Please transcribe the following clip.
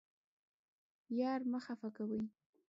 یار مه خفه کوئ